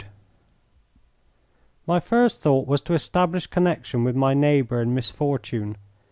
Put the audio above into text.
My first thought was to establish connection with my neighbour in misfortune.